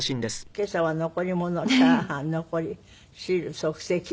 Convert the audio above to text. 「今朝は残り物チャーハン残り」「汁即席冬瓜」